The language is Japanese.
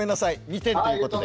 ２点ということで。